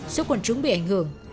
số quần trúng bị ảnh hưởng